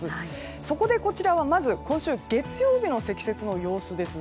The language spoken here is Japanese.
そこで、こちらはまず今週月曜日の積雪の様子です。